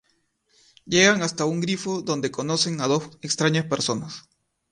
Llegan hasta un grifo donde conocen a dos extrañas personas.